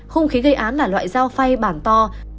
không khí gây án là loại dao phay bảng to